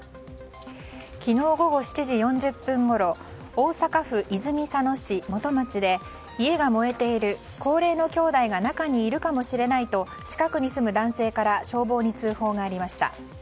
昨日午後７時４０分ごろ大阪府泉佐野市元町で家が燃えている、高齢の姉弟が中にいるかもしれないと近くに住む男性から消防に通報がありました。